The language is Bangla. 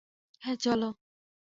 হ্যাঁঁ, চলো।